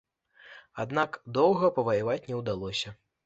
Аднак доўга паваяваць не ўдалося.